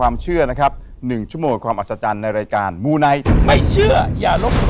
มูนัย